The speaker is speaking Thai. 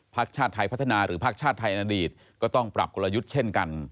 ชาติไทยพัฒนาหรือภาคชาติไทยในอดีตก็ต้องปรับกลยุทธ์เช่นกัน